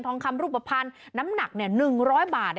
ทองคำรูปภัณฑ์น้ำหนักเนี่ยหนึ่งร้อยบาท